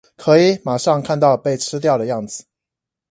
可以馬上看到被吃掉的樣子